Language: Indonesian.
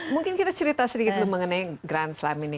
mungkin kita cerita sedikit dulu mengenai grand slam ini